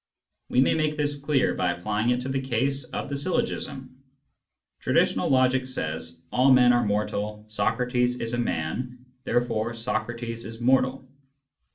We may make this clear by applying it to the case of the syllogism. Traditional logic says :" All men are mortal, Socrates is a man, therefore Socrates is mortal."